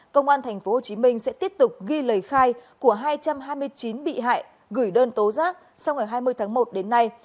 công an tp hcm sẽ tiếp tục ghi lời khai của hai trăm hai mươi chín bị hại gửi đơn tố giác sau ngày hai mươi tháng một đến nay